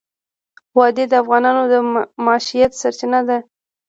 وادي د افغانانو د معیشت سرچینه ده.